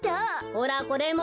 ほらこれも！